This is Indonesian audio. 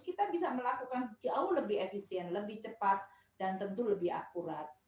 kita bisa melakukan jauh lebih efisien lebih cepat dan tentu lebih akurat